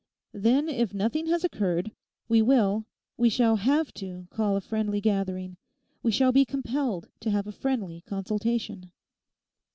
Then, if nothing has occurred, we will, we shall have to call a friendly gathering, we shall be compelled to have a friendly consultation.